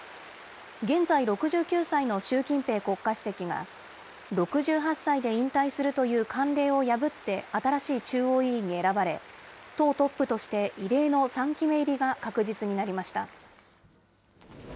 現在６９歳の習近平国家主席が、６８歳で引退するという慣例を破って新しい中央委員に選ばれ、党トップとして、異例の３期目入りが確実になりました。